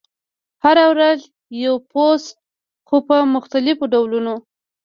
هره ورځ یو پوسټ، خو په مختلفو ډولونو: